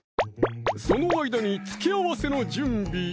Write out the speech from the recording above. その間に付け合わせの準備